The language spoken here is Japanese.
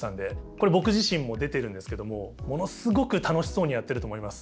これ僕自身も出てるんですけどもものすごく楽しそうにやってると思います。